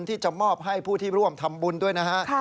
ที่จะมอบให้ผู้ที่ร่วมทำบุญด้วยนะฮะ